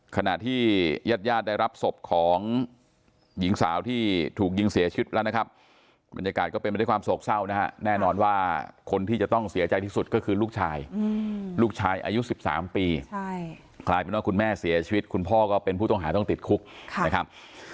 ขณะที่ญาติญาติได้รับศพของหญิงสาวที่ถูกยิงเสียชีวิตแล้วนะครับบรรยากาศก็เป็นไปด้วยความโศกเศร้านะฮะแน่นอนว่าคนที่จะต้องเสียใจที่สุดก็คือลูกชายลูกชายอายุ๑๓ปีกลายเป็นว่าคุณแม่เสียชีวิตคุณพ่อก็เป็นผู้ต้องหาต้องติดคุกนะครับ